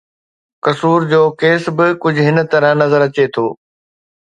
قصور جو ڪيس به ڪجهه هن طرح نظر اچي ٿو.